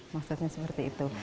maksudnya seperti itu